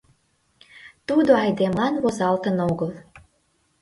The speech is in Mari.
Тудо айдемылан возалтын огыл!